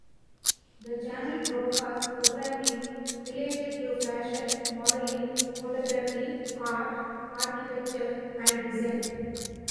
The channel broadcasts programming related to fashion, modelling, photography, art, architecture and design.